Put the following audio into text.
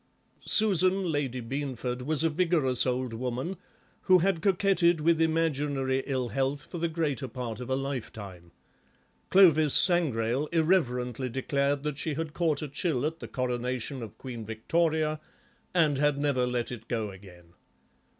Susan Lady Beanford was a vigorous old woman who had coquetted with imaginary ill health for the greater part of a lifetime; Clovis Sangrail irreverently declared that she had caught a chill at the Coronation of Queen Victoria and had never let it go again.